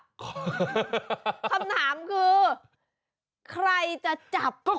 คำถามคือใครจะจับ